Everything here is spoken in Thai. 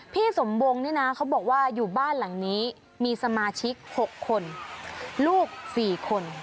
พี่สมวงนี่นะเขาบอกว่าอยู่บ้านหลังนี้มีสมาชิก๖คนลูก๔คน